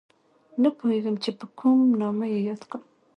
نه پوهېږم چې په کوم نامه یې یاد کړم